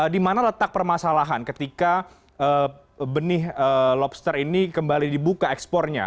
di mana letak permasalahan ketika benih lobster ini kembali dibuka ekspornya